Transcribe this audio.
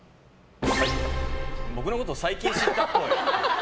僕のこと、最近知ったっぽい。